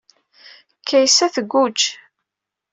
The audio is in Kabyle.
Kaysa tgujj.